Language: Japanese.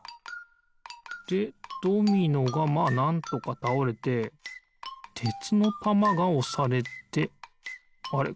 でドミノがまあなんとかたおれててつのたまがおされてあれ？